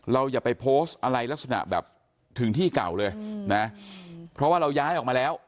อย่าไปโพสต์อะไรลักษณะแบบถึงที่เก่าเลยนะเพราะว่าเราย้ายออกมาแล้ว